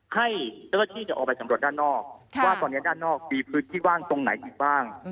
ให้เจ้าหน้าที่จะออกไปสำรวจด้านนอกว่าตอนนี้ด้านนอกมีพื้นที่ว่างตรงไหนอีกบ้าง